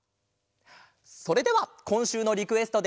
それではこんしゅうのリクエストで。